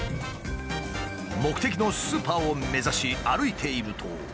目的のスーパーを目指し歩いていると。